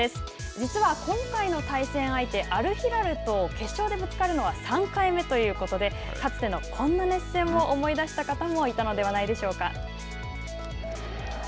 実は今回の対戦相手アルヒラルと決勝でぶつかるのは３回目ということでかつてのこんな熱戦を思い出した方もいたのではないでしょうか。